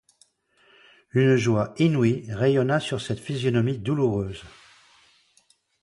Une joie inouïe rayonna sur cette physionomie douloureuse.